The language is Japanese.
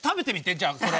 じゃあそれ。